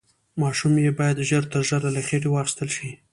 ماشوم يې بايد ژر تر ژره له خېټې واخيستل شي.